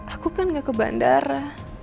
aku kan gak ke bandara